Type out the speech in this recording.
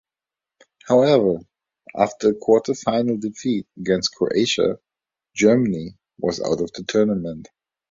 However, after a quarter-final defeat against Croatia, Germany was out of the tournament.